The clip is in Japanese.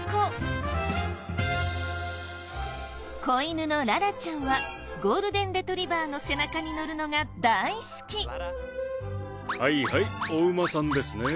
子犬のララちゃんはゴールデンレトリバーの背中に乗るのが大好き。